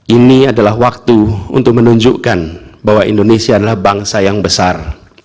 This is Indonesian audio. ini adalah waktu untuk menunjukkan bahwa indonesia adalah bangsa yang besar